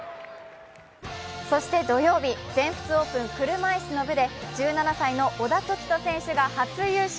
そして土曜日、全仏オープン・車いすの部で１７歳の小田凱人選手が初優勝。